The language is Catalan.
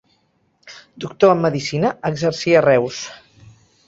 Doctor en medicina, exercia a Reus.